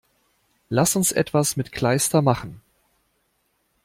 Lass uns etwas mit Kleister machen!